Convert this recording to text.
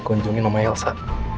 kunjungin mama elsa